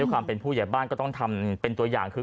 ความเป็นผู้ใหญ่บ้านก็ต้องทำเป็นตัวอย่างคือ